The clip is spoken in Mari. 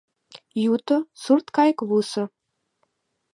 Юто — сурт кайыквусо.